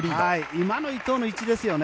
今の伊藤の位置ですよね。